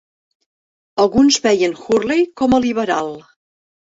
Alguns veien Hurley com a 'liberal'.